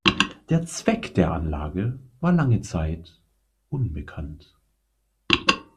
Der Zweck der Anlage war lange Zeit unbekannt.